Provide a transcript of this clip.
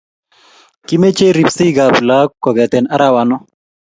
kimechei ripseekab laak gokete arawanoo